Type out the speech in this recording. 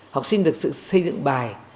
học sinh được xây dựng bài